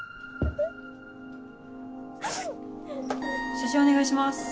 写真お願いします。